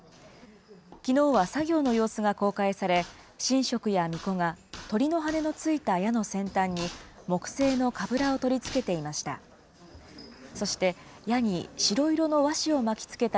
きのうは作業の様子が公開され、神職やみこが、鳥の羽の付いた矢の先端に、木製のかぶらを取り付けていました。